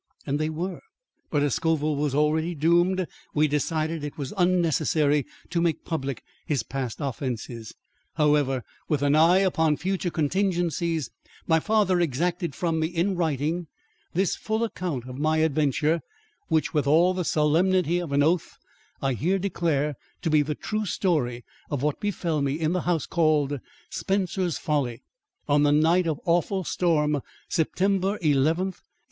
And they were; but as Scoville was already doomed, we decided that it was unnecessary to make public his past offences. However, with an eye upon future contingencies, my father exacted from me in writing this full account of my adventure, which with all the solemnity of an oath I here declare to be the true story of what befell me in the house called Spencer's Folly, on the night of awful storm, September Eleventh, 1895.